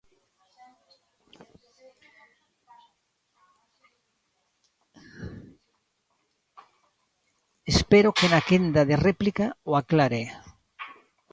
Espero que na quenda de réplica o aclare.